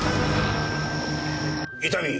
伊丹。